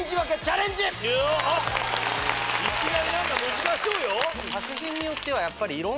いきなり何か難しそうよ！